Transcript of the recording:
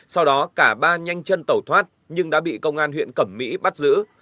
sau đó cả ba nhanh chân tẩu thoát nhưng đã bị công an huyện cẩm mỹ bắt giữ